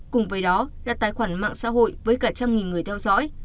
cùng với đó là tài khoản mạng xã hội với cả trăm nghìn người theo dõi